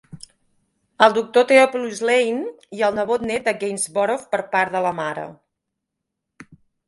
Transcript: El doctor Theopilus Lane, i el nebot net de Gainsborough per part de la mare.